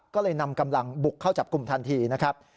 ก็เลยนำกำลังบุกเข้าจับกลุ่มทันทีนะครับ